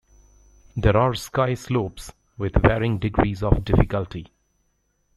There are ski slopes with varying degrees of difficulty.